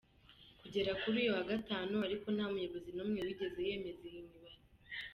Kugera kuri uyu wa Gatanu ariko nta muyobozi n’umwe wigeze yemeza iyi mibare.